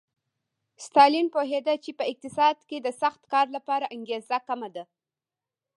ستالین پوهېده چې په اقتصاد کې د سخت کار لپاره انګېزه کمه ده